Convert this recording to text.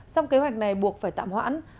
song kế hoạch này buộc phải tạm hoãn